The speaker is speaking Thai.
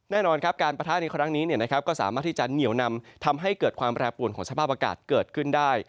แน่นอนครับการปะทะในครั้งนี้ก็สามารถที่จะเหนียวนำทำให้เกิดความแปรปวนของสภาพอากาศเกิดขึ้นได้